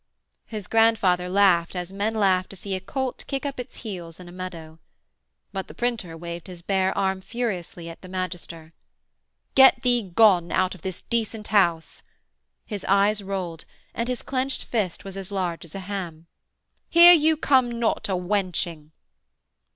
His grandfather laughed as men laugh to see a colt kick up its heels in a meadow. But the printer waved his bare arm furiously at the magister. 'Get thee gone out of this decent house.' His eyes rolled, and his clenched fist was as large as a ham. 'Here you come not a wenching.'